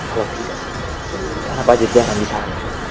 kalau tidak kenapa aja kita akan dikalahkan